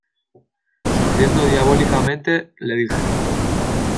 sonriendo diabólicamente, le dije: